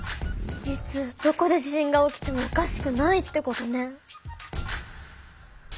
いつどこで地震が起きてもおかしくないってことね。